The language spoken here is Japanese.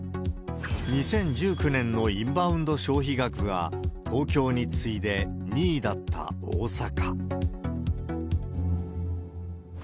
２０１９年のインバウンド消費額が東京に次いで２位だった大阪。